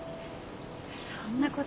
そんなこと。